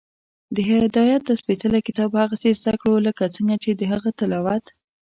د هدایت دا سپېڅلی کتاب هغسې زده کړو، لکه څنګه چې د هغه تلاوت